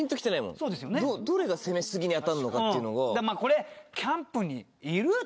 どれが攻めすぎに当たるのかっていうのが。